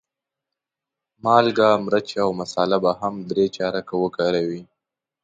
مالګه، مرچ او مساله به هم درې چارکه وکاروې.